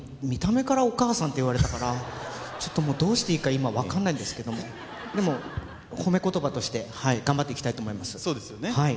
見た目からお母さんって言われたからちょっともうどうしていいか今わかんないんですけどもでも褒め言葉として頑張っていきたいと思いますそうですよね